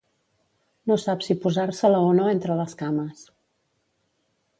No sap si posar-se-la o no entre les cames.